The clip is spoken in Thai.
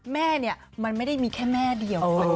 แม่เนี่ยมันไม่ได้มีแค่แม่เดียว